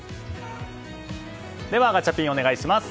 ではガチャピン、お願いします。